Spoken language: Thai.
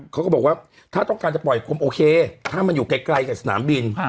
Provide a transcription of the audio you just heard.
เขาก็บอกว่าถ้าต้องการจะปล่อยคนโอเคถ้ามันอยู่ไกลกับสนามบิน